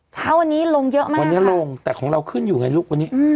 เช้าวันนี้ลงเยอะมากวันนี้ลงแต่ของเราขึ้นอยู่ไงลูกวันนี้